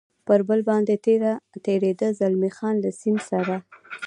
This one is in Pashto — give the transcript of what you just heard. پر پل باندې تېرېده، زلمی خان: له دې سیند سره.